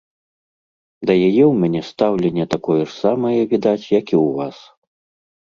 Да яе ў мяне стаўленне такое ж самае, відаць, як і ў вас.